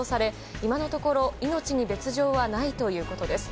今のところ命に別状はないということです。